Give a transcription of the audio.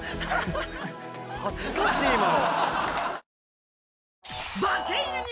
恥ずかしい今の。